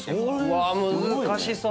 うわ難しそう。